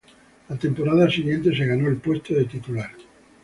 La temporada siguiente se ganó el puesto de titular.